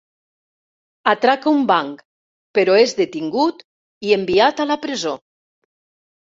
Atraca un banc però és detingut i enviat a la presó.